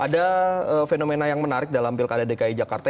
ada fenomena yang menarik dalam pilkada dki jakarta